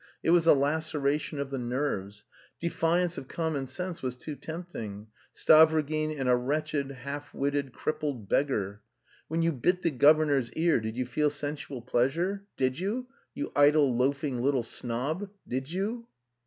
It was a laceration of the nerves... Defiance of common sense was too tempting. Stavrogin and a wretched, half witted, crippled beggar! When you bit the governor's ear did you feel sensual pleasure? Did you? You idle, loafing, little snob. Did you?"